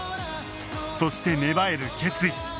そして芽生える決意